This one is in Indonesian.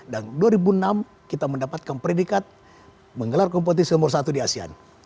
dan dua ribu enam kita mendapatkan predikat menggelar kompetisi nomor satu di asean